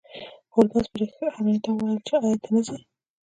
هولمز په حیرانتیا وویل چې ایا ته نه ځې